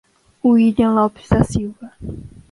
Willian Lopes da Silva